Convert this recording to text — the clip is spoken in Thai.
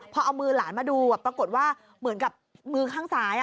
พอเอามือหลานมาดูปรากฏว่าเหมือนกับมือข้างซ้าย